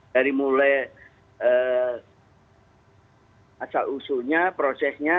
dari mulai asal usulnya prosesnya